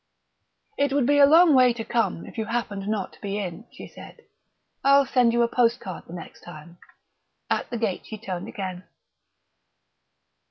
"It would be a long way to come if you happened not to be in," she said; "I'll send you a postcard the next time." At the gate she turned again.